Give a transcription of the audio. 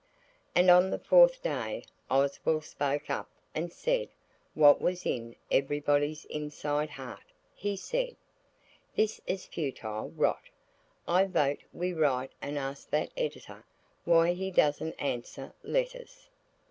And on the fourth day Oswald spoke up and said what was in everybody's inside heart. He said– "This is futile rot. I vote we write and ask that editor why he doesn't answer letters."